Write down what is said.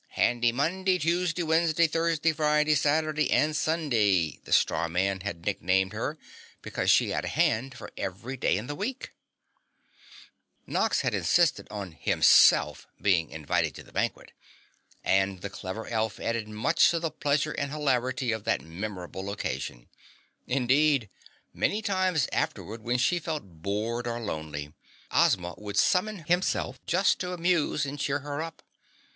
"Handy Monday, Tuesday, Wednesday, Thursday, Friday, Saturday and Sunday," the straw man had nicknamed her because she had a hand for every day in the week. Nox had insisted on Himself being invited to the banquet and the clever elf added much to the pleasure and hilarity of that memorable occasion. Indeed, many times afterward when she felt bored or lonely, Ozma would summon Himself just to amuse and cheer her up.